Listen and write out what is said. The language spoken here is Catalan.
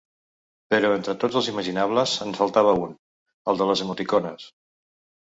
Però entre tots els imaginables, en faltava un: el de les emoticones.